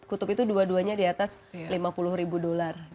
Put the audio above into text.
kutub itu dua duanya di atas lima puluh ribu dolar